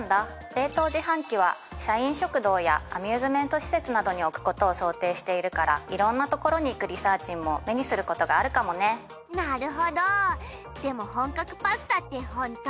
冷凍自販機は社員食堂やアミューズメント施設などに置くことを想定しているから色んなところに行くリサーちんも目にすることがあるかもねなるほどでも本格パスタって本当？